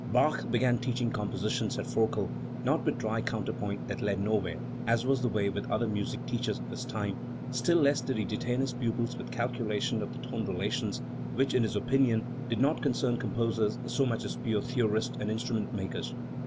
"Bach began teaching composition 53 , says Forkel, "not with dry counterpoint that led nowhere, as was the way with other music teachers of his time; still less did he de tain his pupils with calculation of the tone relations, which in his opinion, did not concern composers so much as pure theorists and instrument makers.